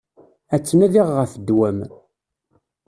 Ad tnadiɣ ɣef ddwa-m.